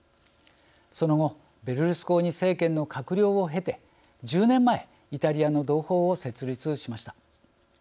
その後、ベルルスコーニ政権の閣僚を経て、１０年前イタリアの同胞を設立しました。